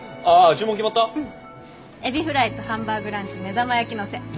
エビフライとハンバーグランチ目玉焼き乗せ。